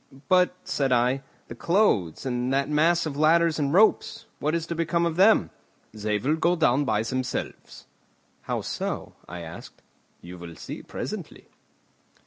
"But," said I, "the clothes, and that mass of ladders and ropes, what is to become of them?" "They will go down by themselves." "How so?" I asked. "You will see presently."